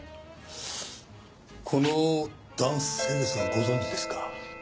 この男性ですがご存じですか？